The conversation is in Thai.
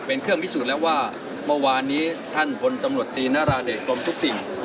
เป็นเครื่องพิสูจน์แล้วว่าเมื่อวานนี้ท่านพลตำรวจตีนราเดชกรมทุกสิ่ง